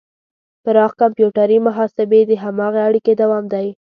پراخ کمپیوټري محاسبې د هماغې اړیکې دوام دی.